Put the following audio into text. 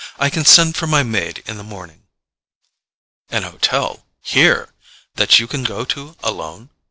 I can send for my maid in the morning." "An hotel—HERE—that you can go to alone?